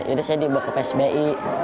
jadi saya dibawa ke psbi